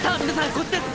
こっちです！